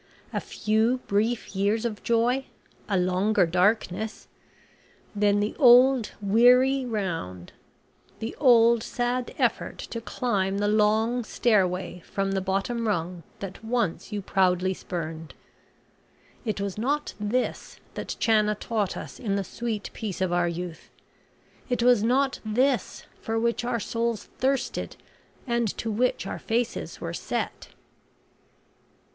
a few brief years of joy a longer darkness then the old weary round the old sad effort to climb the long stairway from the bottom rung that once you proudly spurned. It was not this that Channa taught us in the sweet peace of our youth it was not this for which our souls thirsted, and to which our faces were set."